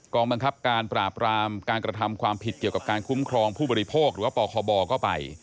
องบังคับการปราบรามการกระทำความผิดเกี่ยวกับการคุ้มครองผู้บริโภคหรือว่าปคบก็ไป